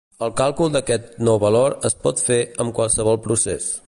El càlcul d'aquest nou valor es pot fer amb qualsevol procés.